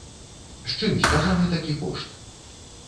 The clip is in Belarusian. З чым звязаны такі кошт?